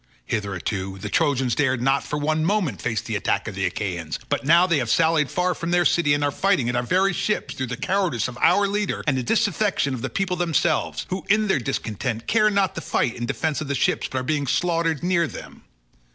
Hitherto the Trojans dared not for one moment face the attack of the Achaeans, but now they have sallied far from their city and are fighting at our very ships through the cowardice of our leader and the disaffection of the people themselves, who in their discontent care not to fight in defence of the ships but are being slaughtered near them.